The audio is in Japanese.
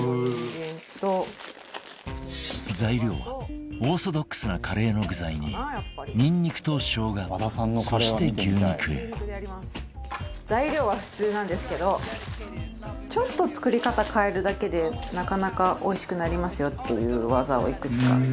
材料はオーソドックスなカレーの具材ににんにくと生姜、そして牛肉和田：材料は普通なんですけどちょっと作り方変えるだけでなかなかおいしくなりますよっていう技を、いくつか。